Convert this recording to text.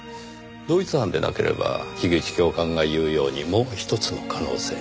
同一犯でなければ樋口教官が言うようにもう一つの可能性。